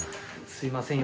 すいません